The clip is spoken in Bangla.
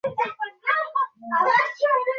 হয় তো তিনি রাগ করিয়াছেন!